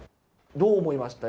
どう思いました？